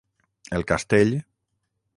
El castell: